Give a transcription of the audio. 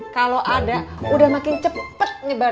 kalau ada udah makin cepat nyebar